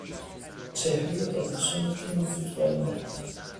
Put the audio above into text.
چهرهی درخشان تیم فوتبال ما